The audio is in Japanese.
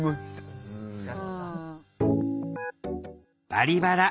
「バリバラ」。